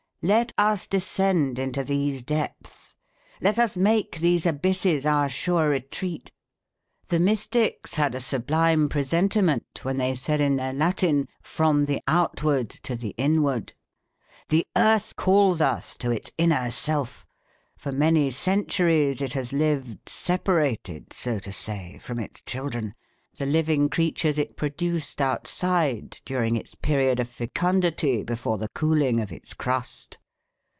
_) Let us descend into these depths; let us make these abysses our sure retreat. The mystics had a sublime presentiment when they said in their Latin: 'From the outward to the inward.' The earth calls us to its inner self. For many centuries it has lived separated, so to say, from its children, the living creatures it produced outside during its period of fecundity before the cooling of its crust!